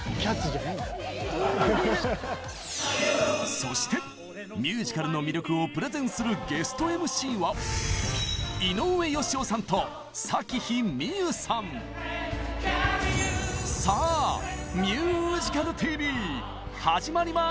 そしてミュージカルの魅力をプレゼンするゲストＭＣはさあ「ミュージカルＴＶ」始まります！